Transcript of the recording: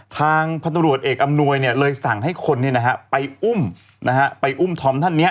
ทางพันธุรกิจเอกอำนวยเลยสั่งให้คนไปอุ้มไปอุ้มธอมท่านนี้